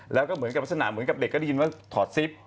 แล้วก็เหมือนกับลักษณะเหมือนกับเด็กก็ได้ยินว่าถอดซิป